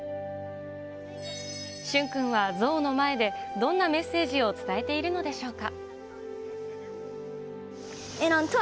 駿君は像の前でどんなメッセージを伝えているのでしょうか。